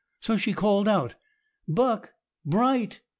So she called out,— "Buck! Bright!